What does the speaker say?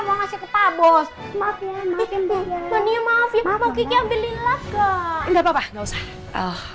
mau ngasih ke pabos maaf ya maaf ya maaf ya mau kiki ambilin laga enggak papa nggak usah